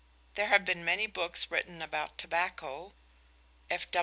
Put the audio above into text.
There have been many books written about tobacco F.